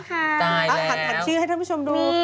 เอ้าหันถัดชื่อให้ท่านผู้ชมดู